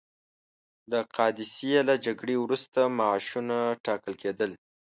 د قادسیې له جګړې وروسته معاشونه ټاکل کېدل.